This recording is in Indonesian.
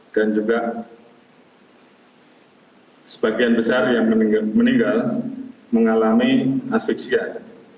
dan juga sebagian besar yang meninggal mengalami asfiksian